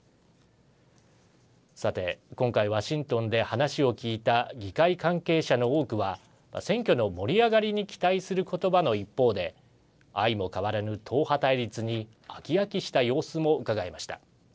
さて今回ワシントンで話を聞いた議会関係者の多くは選挙の盛り上がりに期待する言葉の一方で相も変わらぬ党派対立に飽き飽きした様子もうかがえました。